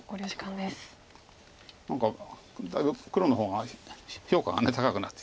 何かだいぶ黒の方が評価が高くなって。